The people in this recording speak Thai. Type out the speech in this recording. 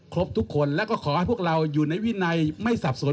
ทุกคนแล้วก็ขอให้พวกเราอยู่ในวินัยไม่สับสน